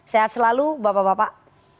sehat selalu bapak bapak